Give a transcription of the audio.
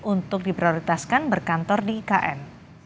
untuk diprioritaskan berkantor di ikn